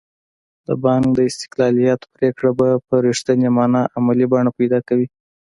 د بانک د استقلالیت پرېکړه به په رښتینې معنا عملي بڼه پیدا کوي.